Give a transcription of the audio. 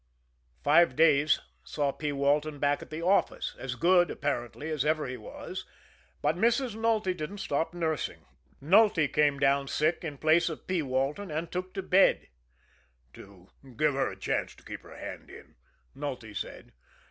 Five days saw P. Walton back at the office, as good, apparently, as ever he was but Mrs. Nulty didn't stop nursing. Nulty came down sick in place of P. Walton and took to bed "to give her a chance to keep her hand in," Nulty said.